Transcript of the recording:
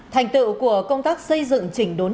thành tựu của công tác xây dựng trình đội ngũ